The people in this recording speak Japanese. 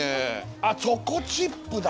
あっチョコチップだ。